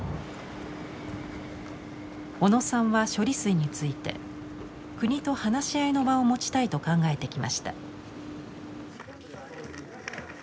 小野さんは処理水について国と話し合いの場を持ちたいと考えてきました。